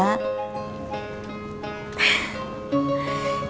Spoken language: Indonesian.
waalaikumsalam bu yola